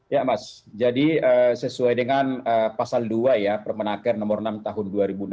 ya mas jadi sesuai dengan pasal dua ya permenaker nomor enam tahun dua ribu delapan belas